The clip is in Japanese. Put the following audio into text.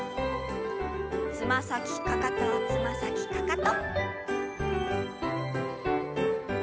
つま先かかとつま先かかと。